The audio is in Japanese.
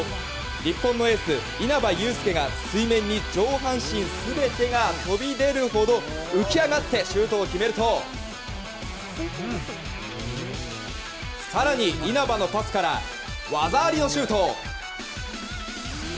日本のエース、稲場悠介が水面に上半身全てが飛び出るほど浮き上がってシュートを決めると更に、稲場のパスから技ありのシュート！